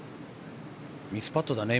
ミスパットだったね。